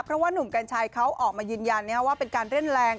เพราะว่านุ่มกัญชัยเขาออกมายืนยันว่าเป็นการเล่นแรง